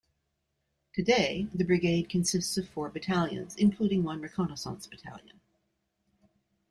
Today the brigade consists of four battalions, including one reconnaissance battalion.